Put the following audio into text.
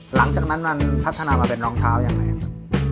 หลังจากนั้นมันพัฒนามาเป็นรองเท้ายังไงครับ